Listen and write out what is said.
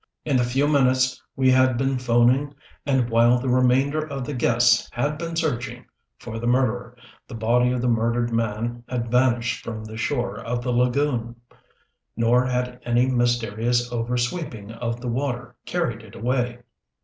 In the few minutes we had been phoning and while the remainder of the guests had been searching for the murderer, the body of the murdered man had vanished from the shore of the lagoon. Nor had any mysterious over sweeping of the water carried it away.